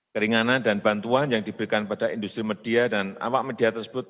keringanan dan bantuan yang diberikan pada industri media dan awak media tersebut